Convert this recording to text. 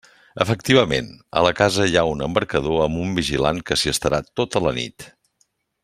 Efectivament, a la casa hi ha un embarcador amb un vigilant que s'hi estarà tota la nit.